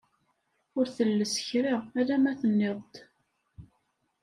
Ur telles kra, alamma tenniḍ-d!